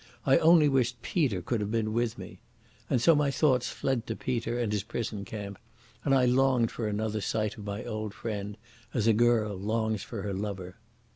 I only wished Peter could have been with me. And so my thoughts fled to Peter in his prison camp, and I longed for another sight of my old friend as a girl longs for her lover.